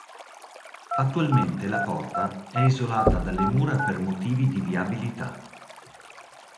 Attualmente la porta è isolata dalle mura per motivi di viabilità.